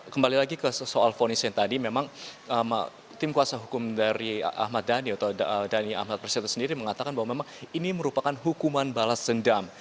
kembali lagi ke soal fonis yang tadi memang tim kuasa hukum dari ahmad dhani atau dhani ahmad persito sendiri mengatakan bahwa memang ini merupakan hukuman balas dendam